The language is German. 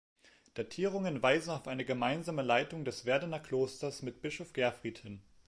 Datierungen weisen auf eine gemeinsame Leitung des Werdener Klosters mit Bischof Gerfried hin.